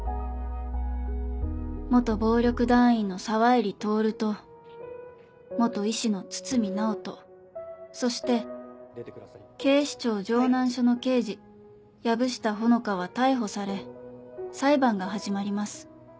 暴力団員の沢入徹と医師の堤直人そして警視庁城南署の刑事薮下穂乃花は逮捕され裁判が始まります